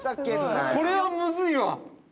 ◆これはむずいわ！